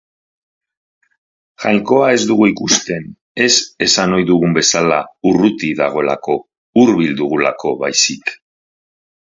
Segituan egin nuen topo Erikarekin.